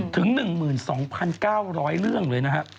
ถึง๑๒๙๐๐เรื่องเลยนะฮะ